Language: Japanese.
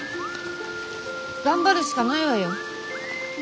頑張るしかないわよ。